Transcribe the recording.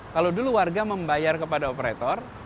kalau dulu warga membayar kepada operator